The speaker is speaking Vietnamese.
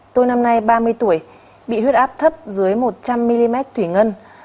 tôi năm nay ba mươi tuổi bị huyết áp thấp dưới một trăm linh mm thủy ngân